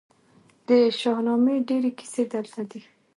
د شاهنامې ډیرې کیسې دلته دي